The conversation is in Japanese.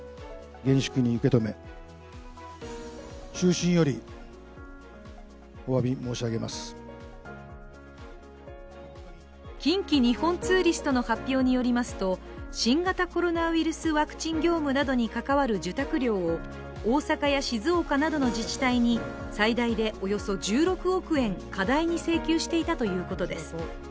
近畿日本ツーリストがコロナワクチンに関する業務の受託料を近畿日本ツーリストの発表によりますと、新型コロナウイルスワクチン業務などに関わる受託料を大阪や静岡などの自治体に最大でおよそ１６億円、過大に請求していたということです。